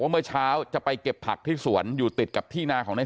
เมื่อเช้าจะไปเก็บผักที่สวนอยู่ติดกับที่นาของใน